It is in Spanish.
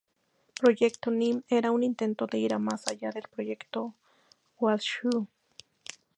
Proyecto Nim era un intento de ir más allá del "Proyecto Washoe".